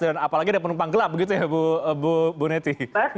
dan apalagi ada penumpang gelap begitu ya bu nety